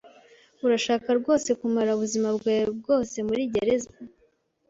Urashaka rwose kumara ubuzima bwawe bwose muri gereza?